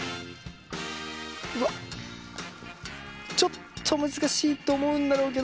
うわっちょっと難しいと思うんだろうけど。